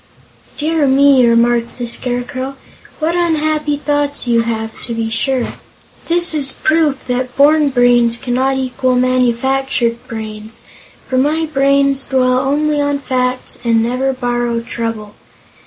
"Dear me!" remarked the Scarecrow, "what unhappy thoughts you have, to be sure. This is proof that born brains cannot equal manufactured brains, for my brains dwell only on facts and never borrow trouble.